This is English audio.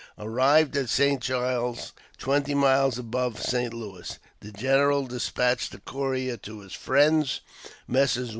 Arrived at St. Charles, twenty miles above St. Louis, the general despatched a courier to his friends, Messrs.